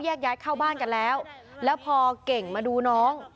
ย้ายเข้าบ้านกันแล้วแล้วพอเก่งมาดูน้อง